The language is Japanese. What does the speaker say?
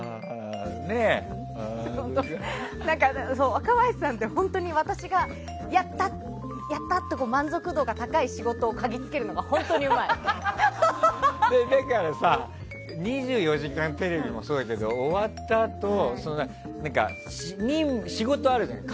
若林さんって本当に私が、やった！って満足度が高い仕事をかぎつけるのがだから、「２４時間テレビ」もそうだけど終わったあと、仕事あるじゃない。